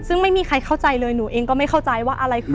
ซึ่งไม่มีใครเข้าใจเลยหนูเองก็ไม่เข้าใจว่าอะไรคือ